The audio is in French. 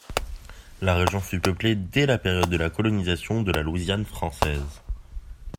La région fut peuplée dès la période de la colonisation de la Louisiane française.